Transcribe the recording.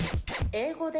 英語で？